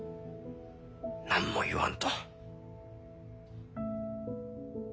何も言わんと。